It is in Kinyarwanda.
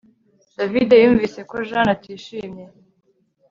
David yumvise ko Jane atishimye